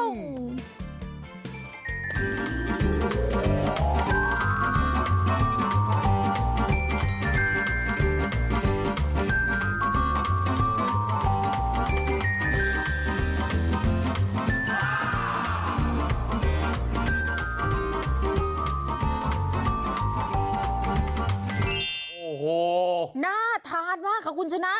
น่าทานมากค่ะคุณชนะ